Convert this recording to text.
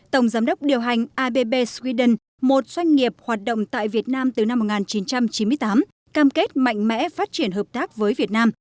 tổng giám đốc điều hành abb sweden một doanh nghiệp hoạt động tại việt nam từ năm một nghìn chín trăm chín mươi tám cam kết mạnh mẽ phát triển hợp tác với việt nam